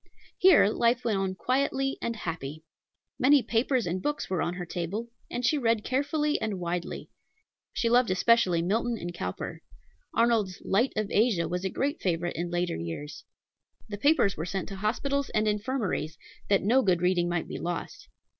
Here life went on quietly and happy. Many papers and books were on her table, and she read carefully and widely. She loved especially Milton and Cowper. Arnold's Light of Asia was a great favorite in later years. The papers were sent to hospitals and infirmaries, that no good reading might be lost.